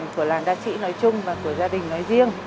của làng đa sĩ nói chung và của gia đình nói riêng